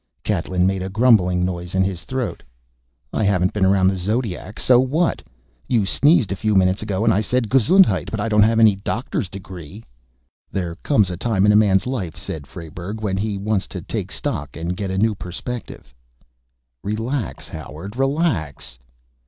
Catlin made grumbling noise in his throat. "I haven't been around the zodiac, so what? You sneezed a few minutes ago and I said gesundheit, but I don't have any doctor's degree." "There comes a time in a man's life," said Frayberg, "when he wants to take stock, get a new perspective." "Relax, Howard, relax."